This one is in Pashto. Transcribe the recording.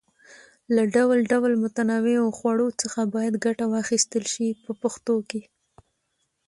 له ډول ډول متنوعو خوړو څخه باید ګټه واخیستل شي په پښتو کې.